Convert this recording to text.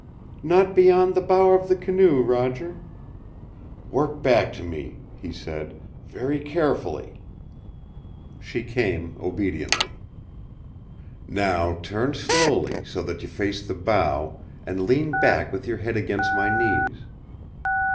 "Not beyond the bow of the canoe, Roger." "Work back to me," he said, "very carefully." She came, obediently. "Now turn slowly, so that you face the bow, and lean back with your head against my knees."